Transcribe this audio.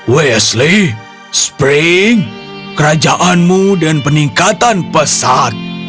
westley spring kerajaanmu dan peningkatan pesat